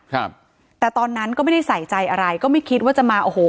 ครับแต่ตอนนั้นก็ไม่ได้ใส่ใจอะไรก็ไม่คิดว่าจะมาโอ้โห